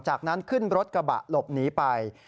จากนั้นขึ้นรถกระบะหลบหนีไป